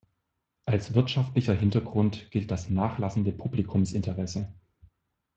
Als wirtschaftlicher Hintergrund gilt das nachlassende Publikumsinteresse.